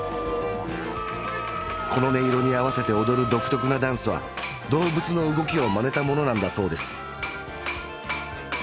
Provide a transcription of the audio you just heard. この音色に合わせて踊る独特なダンスは動物の動きをまねたものなんだそうです